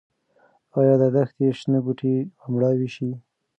ايا د دښتې شنه بوټي به مړاوي شي؟